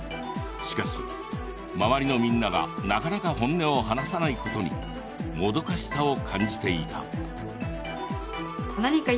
しかし周りのみんながなかなか本音を話さないことにもどかしさを感じていた。